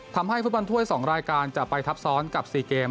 ทำให้ฟื้นบรรท่วย๒รายการจะไปทับซ้อนกับ๔เกม